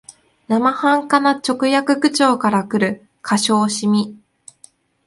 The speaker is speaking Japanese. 生半可な直訳口調からくる可笑しみ、